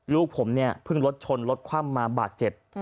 ลูกผมเนี่ยเพิ่งรถชนรถคว่ำมาบาดเจ็บ